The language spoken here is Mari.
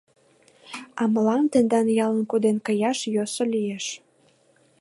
— А мылам тендан ялым коден каяш йӧсӧ лиеш.